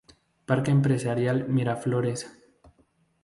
Parque Empresarial Miraflores.